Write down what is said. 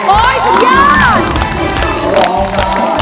ไอ้ครัว